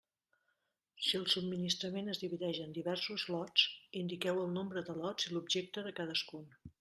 Si el subministrament es divideix en diversos lots, indiqueu el nombre de lots i l'objecte de cadascun.